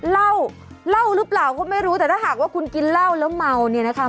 เหล้าเล่าหรือเปล่าก็ไม่รู้แต่ถ้าหากว่าคุณกินเหล้าแล้วเมาเนี่ยนะคะ